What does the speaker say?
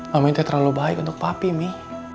mami itu yang terlalu baik untuk papi mi